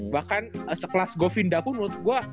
bahkan sekelas govinda pun menurut gue